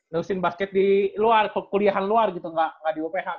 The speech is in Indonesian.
nelusin basket di luar ke kuliahan luar gitu nggak di wph gitu